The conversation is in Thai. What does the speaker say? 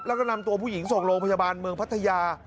แล้วก็นำตัวผู้หญิงส่งโรงพยาบาลเมืองพัทยา